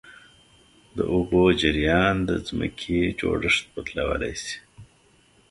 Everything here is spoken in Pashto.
د اوبو جریان د ځمکې جوړښت بدلولی شي.